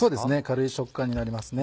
軽い食感になりますね。